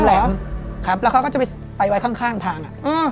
แล้วเขาก็จะไปไว้ข้างทาง